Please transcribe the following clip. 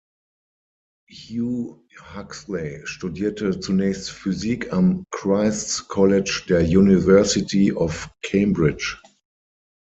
Hugh Huxley studierte zunächst Physik am Christ’s College der University of Cambridge.